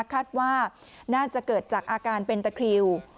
คาดว่าน่าจะเกิดจากอาการเป็นตะคริว